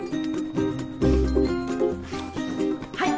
はい！